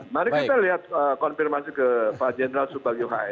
mari kita lihat konfirmasi ke pak jendral subang yuhai